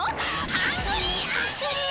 ハングリーアングリー！